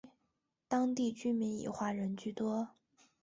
当地居民以华人居多。